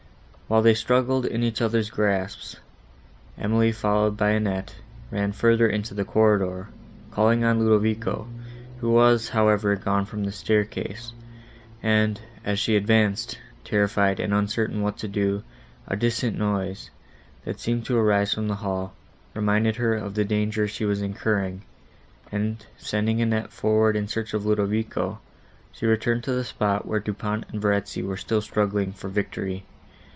While they struggled in each other's grasp, Emily, followed by Annette, ran further into the corridor, calling on Ludovico, who was, however, gone from the staircase, and, as she advanced, terrified and uncertain what to do, a distant noise, that seemed to arise from the hall, reminded her of the danger she was incurring; and, sending Annette forward in search of Ludovico, she returned to the spot where Du Pont and Verezzi were still struggling for victory.